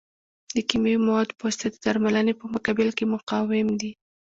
د کیمیاوي موادو په واسطه د درملنې په مقابل کې مقاوم دي.